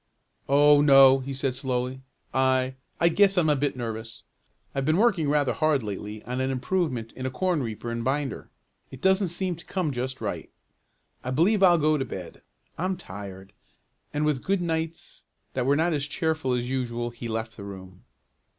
"Oh no," he said slowly. "I I guess I'm a bit nervous. I've been working rather hard lately on an improvement in a corn reaper and binder. It doesn't seem to come just right. I believe I'll go to bed. I'm tired," and with "good nights" that were not as cheerful as usual he left the room.